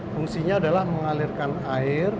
fungsinya adalah mengalirkan air